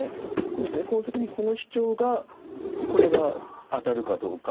この時にこのシチョウがこれがアタるかどうか。